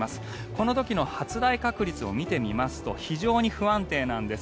この時の発雷確率を見てみますと非常に不安定なんです。